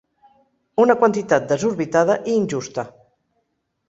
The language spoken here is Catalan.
Una quantitat desorbitada i injusta.